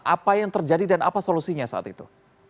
apa yang terjadi dan apa solusinya saat itu